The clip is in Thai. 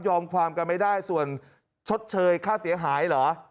ความกันไม่ได้ส่วนชดเชยค่าเสียหายเหรอ